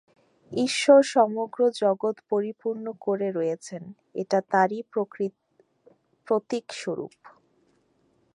ঈশ্বর সমগ্র জগৎ পরিপূর্ণ করে রয়েছেন, এটা তাঁরই প্রতীক-স্বরূপ।